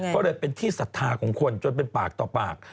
ก็เลยเป็นที่ศรัทธาของคนจนเป็นปากต่อปาก